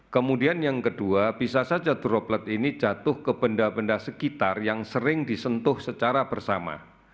kemudian yang kedua bisa saja droplet ini jatuh ke benda benda sekitar yang sering disentuh secara bersama